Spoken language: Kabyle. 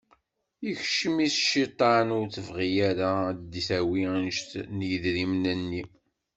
Ikcem-itt cciṭan, ur tebɣi ara ad yawwi anect n yedrimen-nni.